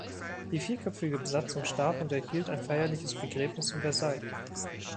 Die vierköpfige Besatzung starb und erhielt ein feierliches Begräbnis in Versailles.